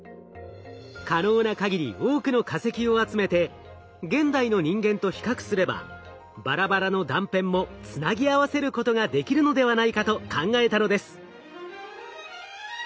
可能な限り多くの化石を集めて現代の人間と比較すればバラバラの断片もつなぎ合わせることができるのではないかと考えたのです。